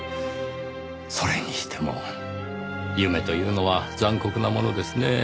それにしても夢というのは残酷なものですねぇ。